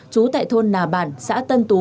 trú tại thôn nà bản xã tân tú